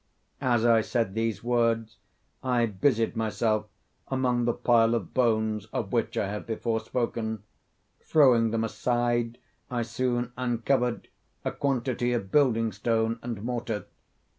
As I said these words I busied myself among the pile of bones of which I have before spoken. Throwing them aside, I soon uncovered a quantity of building stone and mortar.